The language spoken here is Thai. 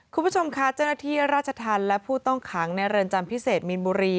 คุณผู้ชมค่ะเจ้าหน้าที่ราชธรรมและผู้ต้องขังในเรือนจำพิเศษมีนบุรี